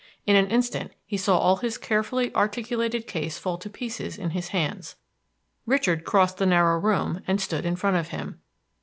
In an instant he saw all his carefully articulated case fall to pieces in his hands. Richard crossed the narrow room, and stood in front of him.